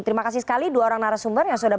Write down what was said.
terima kasih sekali dua orang narasumber yang sudah